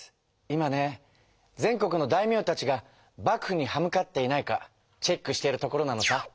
今ね全国の大名たちが幕府に歯向かっていないかチェックしているところなのさ。